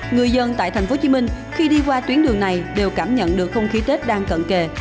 người dân tại tp hcm khi đi qua tuyến đường này đều cảm nhận được không khí tết đang cận kề